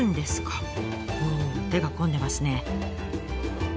うん手が込んでますね。